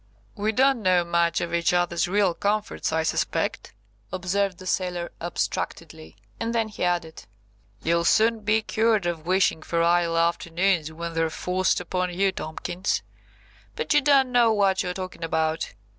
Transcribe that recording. "We don't know much of each other's real comforts, I suspect," observed the sailor abstractedly, and then he added– "You'll soon be cured of wishing for idle afternoons when they're forced upon you, Tomkins. But you don't know what you're talking about.